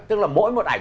tức là mỗi một ảnh